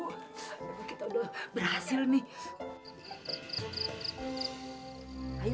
kita udah berhasil nih